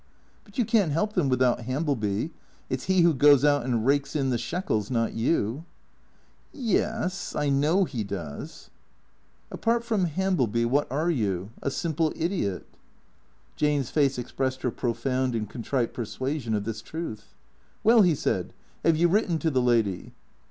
" But you can't help them without Hambleby. It 's he who goes out and rakes in the shekels, not you." " Ye cs. I know he does." THECEEATORS 123 "Apart from Hambleby what are you? A simple idiot." Jane's face expressed her profound and contrite persuasion of this truth. " Well," he said, " have you written to the lady